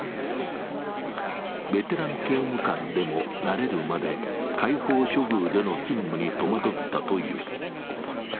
ベテラン刑務官でもなれるまで開放処遇での勤務に戸惑ったという。